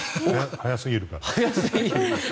早すぎるから。